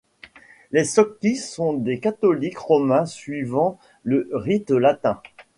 Les Šokci sont des Catholiques romains suivant le rite latin.